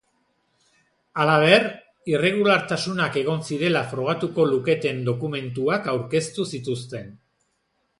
Halaber, irregulartasunak egon zirela frogatuko luketen dokumentuak aurkeztu zituzten.